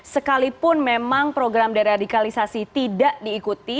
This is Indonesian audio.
sekalipun memang program deradikalisasi tidak diikuti